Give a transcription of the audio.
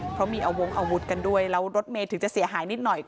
เพราะมีอาวงอาวุธกันด้วยแล้วรถเมย์ถึงจะเสียหายนิดหน่อย